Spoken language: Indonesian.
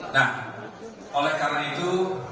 nah oleh karena itu